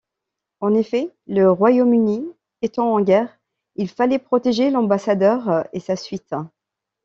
En effet, le Royaume-Uni étant en guerre, il fallait protéger l'ambassadeur et sa suite.